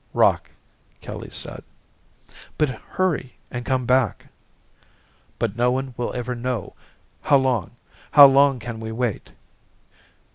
"Rock," Kelly said. "But hurry and come back." "But no one will ever know. How long how long can we wait?"